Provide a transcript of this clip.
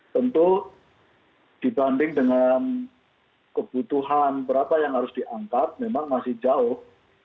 tentu dibanding dengan kebutuhan berapa yang harus diangkat memang masih jauh